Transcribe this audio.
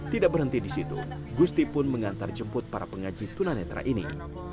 tidak berhenti di situ gusti pun mengantar jemput para pengaji tunanetra ini